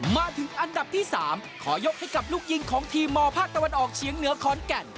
มาถึงอันดับที่๓ขอยกให้กับลูกยิงของทีมมภาคตะวันออกเฉียงเหนือขอนแก่น